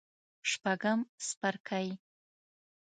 شپږم څپرکی